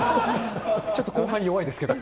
ちょっと後半、弱いですけど。